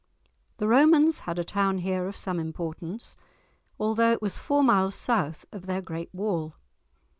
The Romans had a town here of some importance, although it was four miles south of their great wall.